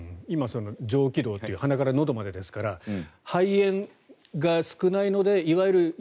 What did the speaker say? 今、上気道という鼻からのどまでですから肺炎が少ないのでいわゆる